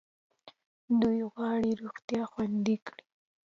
دوی غواړي روغتیا خوندي کړي.